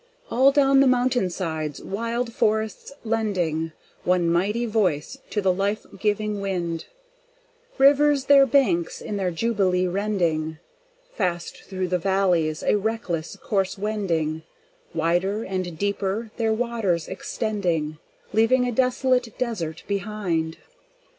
All down the mountain sides wild forests lending One mighty voice to the life giving wind, Rivers their banks in their jubilee rending, Fast through the valleys a reckless course wending, Wider and deeper their waters extending, Leaving a desolate desert behind.